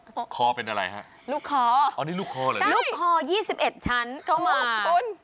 ลูกคอเป็นอะไรฮะอ๋อนี่ลูกคอเหรอลูกคอ๒๑ชั้นเข้ามา